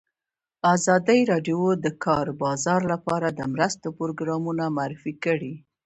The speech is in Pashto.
ازادي راډیو د د کار بازار لپاره د مرستو پروګرامونه معرفي کړي.